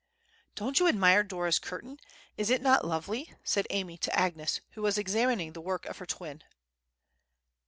"Don't you admire Dora's curtain, is it not lovely?" said Amy to Agnes, who was examining the work of her twin.